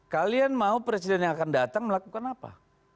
kalian mau presiden yang akan datang melakukan apa